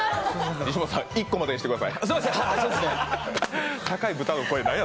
西本さん１個までにしてください。